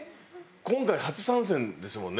今回初参戦ですもんね？